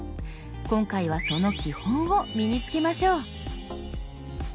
今回はその基本を身に付けましょう。